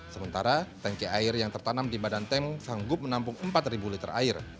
sementara tanki air yang tertanam di badan tank sanggup menampung empat liter air